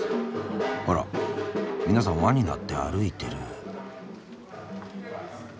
あら皆さん輪になって歩いてる。